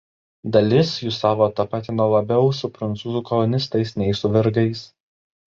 Dalis jų savo tapatino labiau su prancūzų kolonistais nei su vergais.